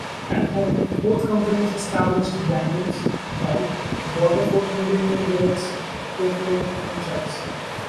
At home, both companies established brand names, while Waterford continued with its Yoplait franchise.